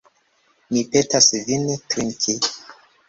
Mi petas vin trinki.